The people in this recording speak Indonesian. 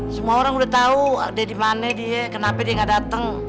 semua orang udah tau ada dimana dia kenapa dia gak dateng